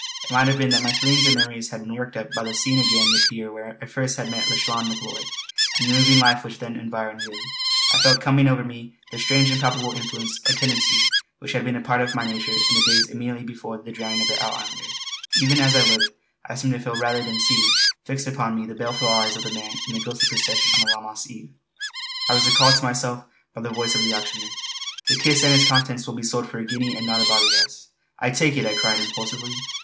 It might have been that my feelings and memories had been worked up by the seeing again the pier where first I had met Lauchlane Macleod, and the moving life which then had environed him. I felt coming over me that strange impalpable influence or tendency which had been a part of my nature in the days immediately before the drowning of the Out islander. Even as I looked, I seemed to feel rather than see fixed upon me the baleful eyes of the man in the ghostly procession on that Lammas eve. I was recalled to myself by the voice of the auctioneer: "The kist and its contents will be sold for a guinea and not a bawbee less." "I take it!" I cried impulsively.